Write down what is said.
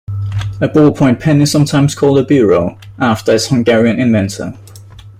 A ballpoint pen is sometimes called a Biro, after its Hungarian inventor